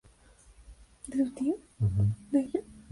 Por esta acción S. M. le concedió el grado de teniente coronel.